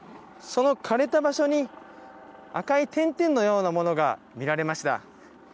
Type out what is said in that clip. そのかれた場所に赤い点々のようなものが見られました。